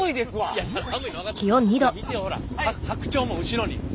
いや見てほら白鳥も後ろに。